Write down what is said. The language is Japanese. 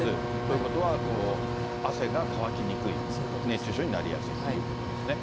ということは、汗が乾きにくい、熱中症になりやすいということですね。